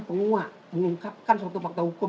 penguak mengungkapkan suatu fakta hukum